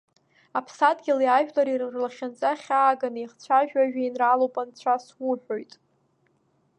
Аԥсадгьыли ажәлари рлахьынҵа хьааганы иахцәажәо ажәеинраалоуп анцәа суҳәоит.